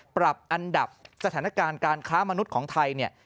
ปรับอันดับสถานการณ์การค้ามนุษย์ของไทยเนี่ย